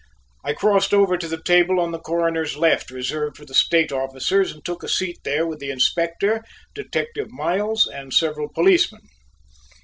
I crossed over to the table on the Coroner's left, reserved for the State officers, and took a seat there with the Inspector, Detective Miles, and several policemen.